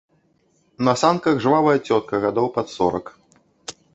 На санках жвавая цётка гадоў пад сорак.